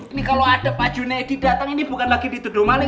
ini kalau ada pajunya edi datang ini bukan lagi dituduh maling